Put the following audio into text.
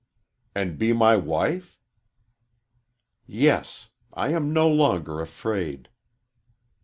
"And be my wife?" "Yes. I am no longer afraid."